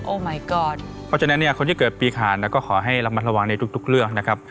โอ้ไหมก็อดเพราะฉะนั้นเนี้ยคนที่เกิดปีขานแล้วก็ขอให้รับมาระวังในทุกทุกเรื่องนะครับ